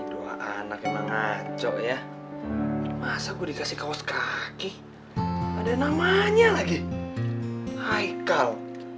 dua anak emang acok ya masa gue dikasih kaos kaki ada namanya lagi haikal